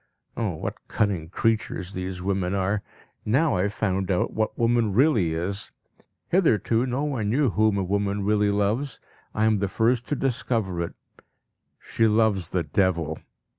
Oh, what cunning creatures these women are! Now I have found out what woman really is. Hitherto no one knew whom a woman really loves; I am the first to discover it she loves the devil.